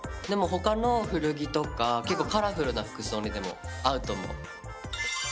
でも他の古着とか結構カラフルな服装にでも合うと思う。